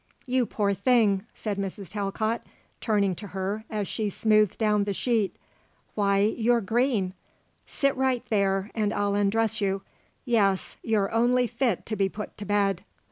"You poor thing," said Mrs. Talcott, turning to her as she smoothed down the sheet; "Why you're green. Sit right there and I'll undress you. Yes; you're only fit to be put to bed."